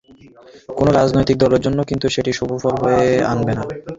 কোনো রাজনৈতিক দলের জন্যই কিন্তু সেটি শুভ ফল বয়ে আনবে না।